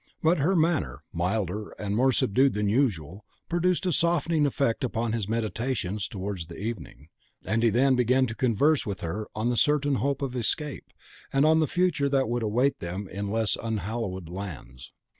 But her manner, milder and more subdued than usual, produced a softening effect upon his meditations towards the evening; and he then began to converse with her on the certain hope of escape, and on the future that would await them in less unhallowed lands.